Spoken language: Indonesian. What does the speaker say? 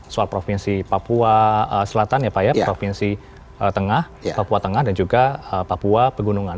soal provinsi papua selatan ya pak ya provinsi tengah papua tengah dan juga papua pegunungan